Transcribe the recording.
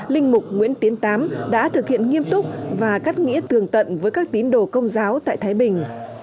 linh mục nguyễn tiến tám đã thực hiện nghiêm túc và cắt nghĩa tường tận với các tín đồ công giáo tại thái bình